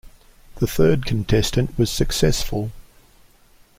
The third contestant was successful.